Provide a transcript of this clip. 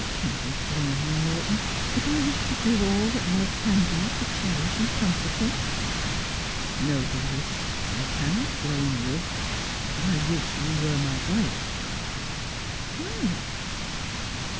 Can you blame me, Morton, if I wish to do all that love can do to cherish and comfort him 1 '' No, dearest, I cannot blame you ; but I wish you were my wife.' 'Why?'